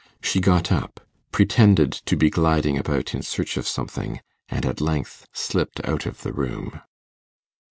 She got up, pretended to be gliding about in search of something, and at length slipped out of the room.